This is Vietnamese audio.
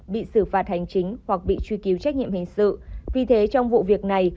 bị xử phạt hành chính hoặc bị truy cứu trách nhiệm hình sự vì thế trong vụ việc này